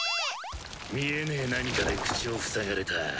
見えねぇ何かで口を塞がれた。